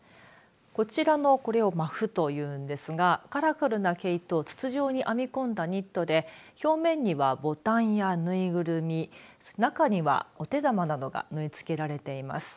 こちらのこれをマフと言うんですがカラフルな毛糸を筒状に編み込んだニットで表面にはボタンや縫いぐるみ中にはお手玉などが縫いつけられています。